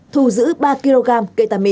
thù giữ ba kg kê lê mi